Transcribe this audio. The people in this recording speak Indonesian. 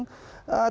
tidak ada yang